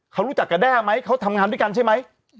เขารู้จักกับแด้ไหมเขาทำงานด้วยกันใช่ไหม